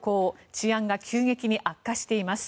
治安が急激に悪化しています。